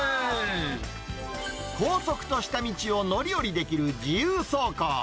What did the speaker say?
高速と下道を乗り降りできる自由走行。